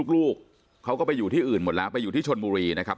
ลูกเขาก็ไปอยู่ที่อื่นหมดแล้วไปอยู่ที่ชนบุรีนะครับ